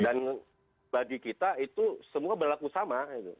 dan bagi kita itu semua berlaku sama